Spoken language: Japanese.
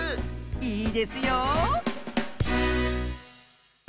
いいですよ。